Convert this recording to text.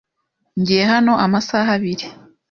Ngiye hano amasaha abiri.